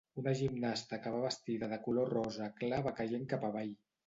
Una gimnasta que va vestida de color rosa clar va caient cap avall.